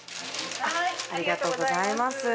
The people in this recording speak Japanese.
ありがとうございます。